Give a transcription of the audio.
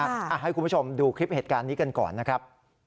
ให้คุณผู้ชมดูคลิปเหตุการณ์นี้กันก่อนนะครับ